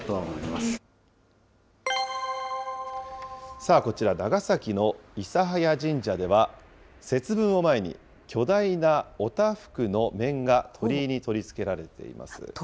さあこちら、長崎の諫早神社では、節分を前に、巨大なお多福の面が鳥居に取り付けられています。